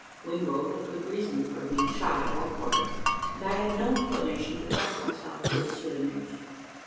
Wingrove had good reason for being shy of that quarter; and I had no inclination to trust myself to its souvenirs.